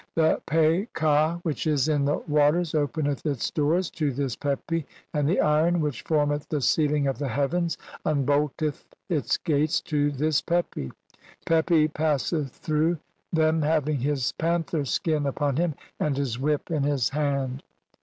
The Peh ka "which is in the waters openeth its doors to this Pepi, "and the iron [which formeth] the ceiling of the heavens "unbolteth its gates to this Pepi; Pepi passeth through "them having his panther skin upon him, and his w T hip "in his hand."